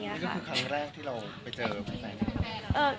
นี่ก็คือครั้งแรกที่เราไปเจอแฟน